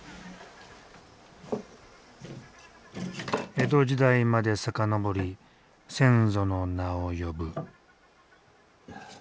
江戸時代まで遡り先祖の名を呼ぶ。